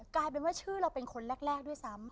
กลายเป็นว่าชื่อเราเป็นคนแรกด้วยซ้ำ